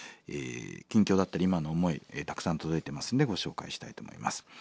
近況だったり今の思いたくさん届いてますんでご紹介したいと思います。